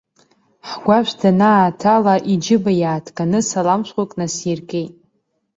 Ҳгәашә данааҭала, иџьыба иааҭганы салам шәҟәык насиркит.